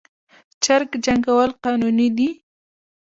چرګ جنګول قانوني دي؟